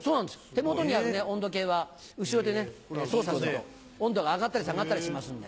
手元にある温度計は後ろで操作すると温度が上がったり下がったりしますんで。